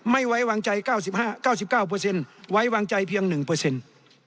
ไม่ไว้วางใจเก้าสิบห้าเก้าสิบเก้าเปอร์เซ็นต์ไว้วางใจเพียง๑เปอร์เซ็นต์